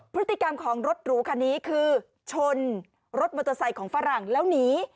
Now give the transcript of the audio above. พฤติกรรมของรถหรูคันนี้คือชนรถมอเตอร์ไซค์ของฝรั่งแล้วหนี